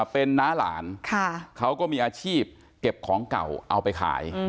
เป็นน้าหลานเขาก็มีอาชีพเก็บของเก่าเอาไปขาย